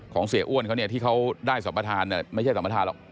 ของเสียอ้วนเขาเนี่ยที่เขาได้สมทานไม่ใช่สมทานหรอก